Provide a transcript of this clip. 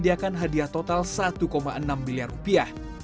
menyediakan hadiah total satu enam miliar rupiah